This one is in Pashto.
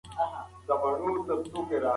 کورنۍ باید ماشومانو ته کتابونه او مجلې ورکړي.